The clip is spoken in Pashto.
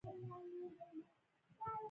که د ستا مینه له ما سره رښتیا ده.